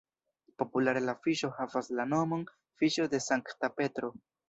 Populare la fiŝo havas la nomon "fiŝo de Sankta Petro".